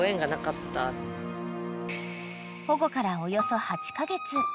［保護からおよそ８カ月］